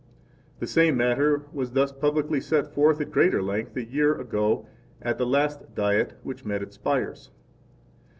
17 The same matter was thus publicly set forth at greater length a year ago at the last Diet which met at Spires.